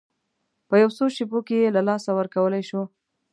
په یو څو شېبو کې یې له لاسه ورکولی شو.